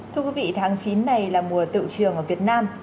thưa quý vị tháng chín này là mùa tự trường ở việt nam